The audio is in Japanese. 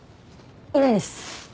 いないです。